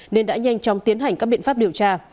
nên đã nhanh chóng tiến hành các biện pháp điều tra